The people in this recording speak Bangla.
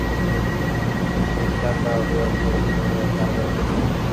এছাড়াও, তার অধীনস্থ হিসেবে রয়েছেন একজন উপ-মহাসচিব।